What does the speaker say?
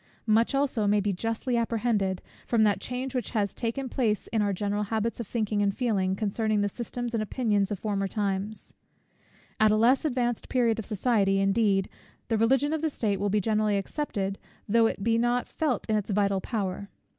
Much also may justly be apprehended, from that change which has taken place in our general habits of thinking and feeling, concerning the systems and opinions of former times. At a less advanced period of society, indeed, the Religion of the state will be generally accepted, though it be not felt in its vital power.